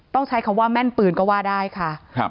ต้องใช้คำว่าแม่นปืนก็ว่าได้ค่ะ